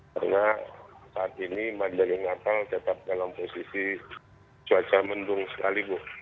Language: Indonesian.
karena saat ini madiayong natal tetap dalam posisi cuaca mendung sekali bu